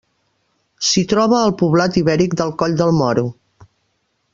S'hi troba el poblat ibèric del Coll del Moro.